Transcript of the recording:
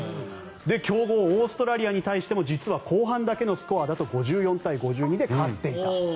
強豪オーストラリアに対しても実は後半だけのスコアだと５２対５２で勝っていた。